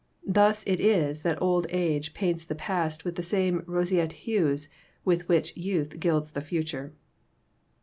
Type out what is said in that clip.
Thus it is that old age paints the past with the same roseate hues with which youth gilds the future.